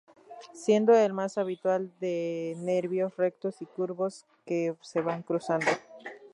Siendo el más habitual de de nervios rectos y curvos que se van cruzando.